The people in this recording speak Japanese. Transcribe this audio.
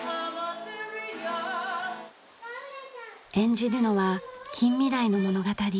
演じるのは近未来の物語。